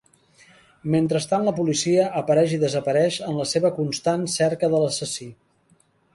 Mentrestant la policia apareix i desapareix en la seva constant cerca de l'assassí.